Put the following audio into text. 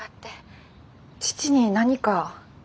父に何か？